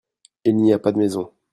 Il n'y a pas de maisons.